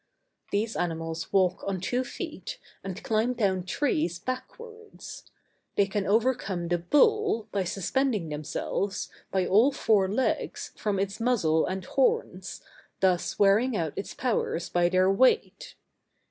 These animals walk on two feet, and climb down trees backwards. They can overcome the bull, by suspending themselves, by all four legs, from its muzzle and horns, thus wearing out its powers by their weight.